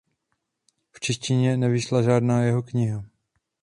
V češtině nevyšla žádná jeho kniha.